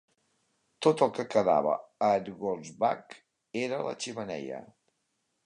Tot el que quedava a Ergoldsbach era la xemeneia.